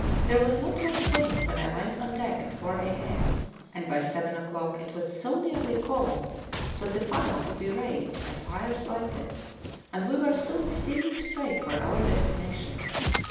There was not much wind when I went on deck at 4 a.m., and by seven o'clock it was so nearly calm, that the funnel could be raised and fires lighted, and we were soon steaming straight for our destination.